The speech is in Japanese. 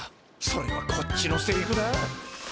それはこっちのセリフだ。